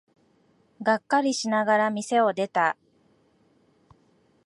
がっかりしながら店を出た。